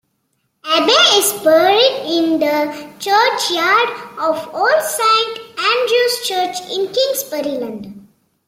Abbey is buried in the churchyard of Old Saint Andrew's Church in Kingsbury, London.